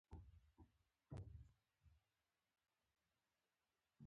ګل د سبا د ښکلا وعده ده.